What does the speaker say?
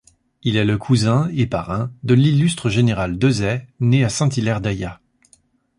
Il est le cousin et parrain de l'illustre général Desaix, né à Saint-Hilaire-d'Ayat.